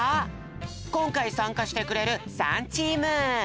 こんかいさんかしてくれる３チーム！